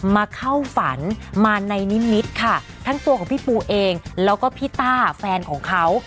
มาเข้าฝันมาในนิมิตรค่ะทั้งตัวของพี่ปูเองแล้วก็พี่ต้าแฟนของเขา